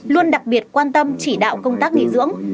luôn đặc biệt quan tâm chỉ đạo công tác nghỉ dưỡng